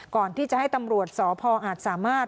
ก่อนที่จะให้ตำรวจสพอาจสามารถ